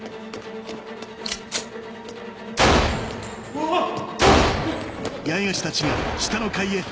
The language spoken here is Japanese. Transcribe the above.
・うわっ！